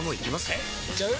えいっちゃう？